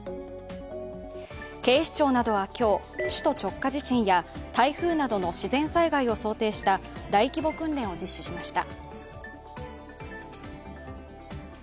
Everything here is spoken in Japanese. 警視庁などは今日、首都直下地震や台風などの自然災害を想定した大規模訓練を実施しました。